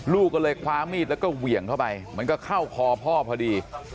ลูกก็เลยคว้ามีดแล้วก็เหวี่ยงเข้าไปมันก็เข้าคอพ่อพอดี